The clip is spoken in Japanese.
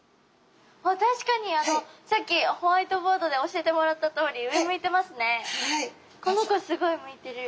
確かにさっきホワイトボードで教えてもらったとおりこの子すごい向いてる。